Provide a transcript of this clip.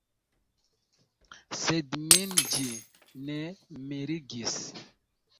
Sed min ĝi ne mirigis.